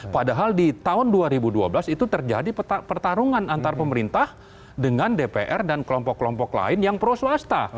padahal di tahun dua ribu dua belas itu terjadi pertarungan antar pemerintah dengan dpr dan kelompok kelompok lain yang pro swasta